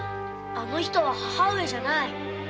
あの人は母上じゃない。